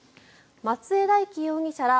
松江大樹容疑者ら